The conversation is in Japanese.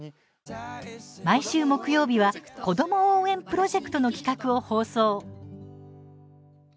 毎週木曜日は「子ども応援プロジェクト」の企画を放送。